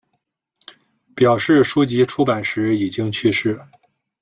表示书籍出版时已经去世。